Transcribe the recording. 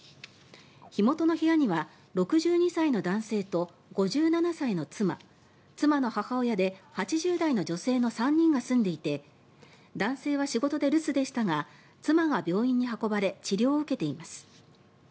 火元の部屋には６２歳の男性と５７歳の妻妻の母親で８０代の女性の３人が住んでいて男性は仕事で留守でしたが妻が病院に運ばれ治療を受けています。